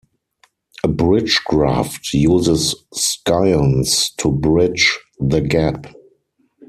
A bridge graft uses scions to 'bridge' the gap.